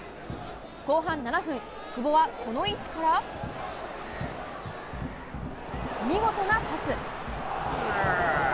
後半７分、久保はこの位置から見事なパス。